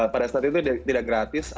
pada saat itu tidak gratis